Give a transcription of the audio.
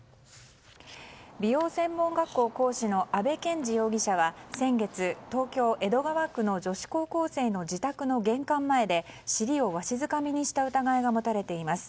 美容専門学校講師の阿部賢治容疑者は先月、東京・江戸川区の女子高校生の自宅の玄関前で尻をわしづかみにした疑いが持たれています。